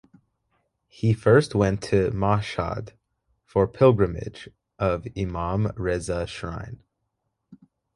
He first went to Mashhad for pilgrimage of Imam Reza Shrine.